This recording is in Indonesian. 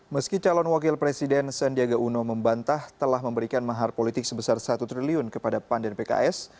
meski calon wakil presiden sandiaga uno membantah telah memberikan mahar politik sebesar satu triliun kepada pan dan pks